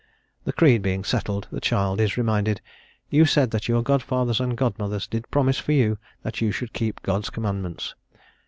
The creed being settled, the child is reminded: "You said that your godfathers and godmothers did promise for you that you should keep God's commandments.